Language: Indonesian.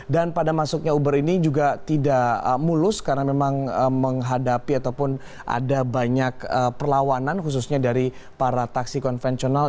pada masuknya uber ini juga tidak mulus karena memang menghadapi ataupun ada banyak perlawanan khususnya dari para taksi konvensional